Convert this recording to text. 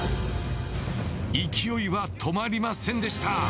勢いは止まりませんでした！